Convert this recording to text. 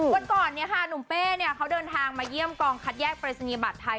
วันก่อนหนุ่มเป๊เขาเดินทางมาเยี่ยมกองคัดแยกเปรสงีบัตรไทย